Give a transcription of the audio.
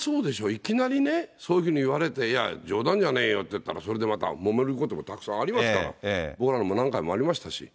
いきなりね、そういうふうに言われて、いや、冗談じゃねーよって言ったら、それでまたもめることもたくさんありますから、僕ら何回もありましたし。